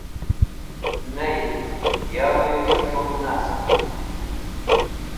Ney, yawi rochun nast.